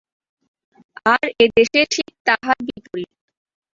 আর এদেশে ঠিক তাহার বিপরীত।